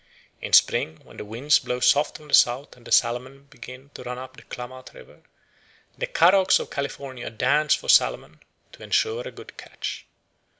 In spring, when the winds blow soft from the south and the salmon begin to run up the Klamath river, the Karoks of California dance for salmon, to ensure a good catch.